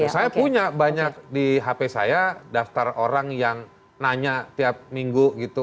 saya punya banyak di hp saya daftar orang yang nanya tiap minggu gitu